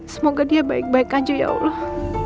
semoga dia baik baik aja ya allah